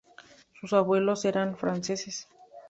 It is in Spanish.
Sus abuelos eran franceses.